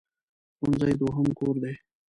ښوونځی دوهم کور دی.